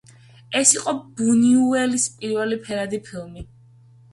ეს იყო ბუნიუელის პირველი ფერადი ფილმი.